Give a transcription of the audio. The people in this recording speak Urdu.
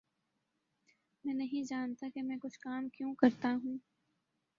میں نہیں جانتا کہ میں کچھ کام کیوں کرتا ہوں